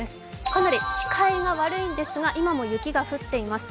かなり視界が悪いんですが、今も雪が降っています。